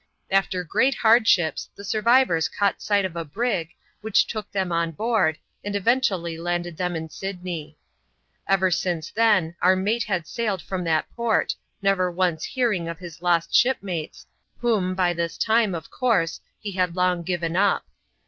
After great hardships, the survivors caught sight of a brig, which took them on board, and eventually landed them in Sydney. Ever since then our mate had sailed from that port, never once hearing of his lost shipmates, whom, by this time, of course, he had long given up.